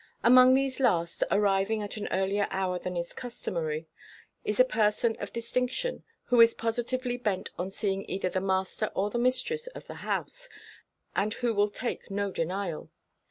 Among these last, arriving at an earlier hour than is customary, is a person of distinction who is positively bent on seeing either the master or the mistress of the house, and who will take no denial.